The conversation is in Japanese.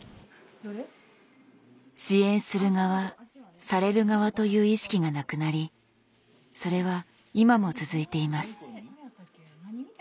支援する側される側という意識がなくなりそれは今も続いています。